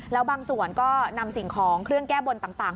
แล้วบางส่วนก็นำสิ่งของเครื่องแก้บนต่าง